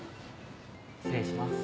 ・失礼します。